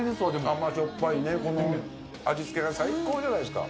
甘じょっぱいこの味付けが最高じゃないですか。